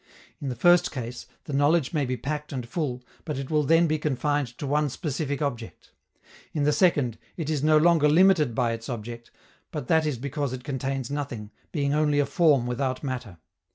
In the first case, the knowledge may be packed and full, but it will then be confined to one specific object; in the second, it is no longer limited by its object, but that is because it contains nothing, being only a form without matter.